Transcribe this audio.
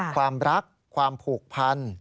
ความรักความผูกพัน